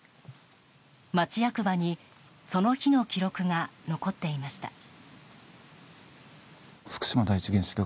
町役場に、その日の記録が残っていました。